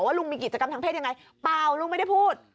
ลุงมีกิจกรรมทางเพศยังไงเปล่าลุงไม่ได้พูด